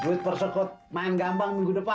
duit persekut main gambang minggu depan